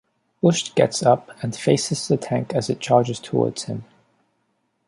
Bush gets up and faces the tank as it charges towards him.